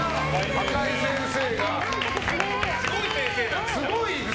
赤井先生